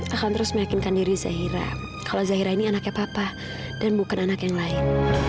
akan terus meyakinkan diri zahira kalau zahira ini anaknya papa dan bukan anak yang lain